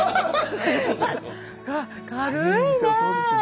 うわ軽いね！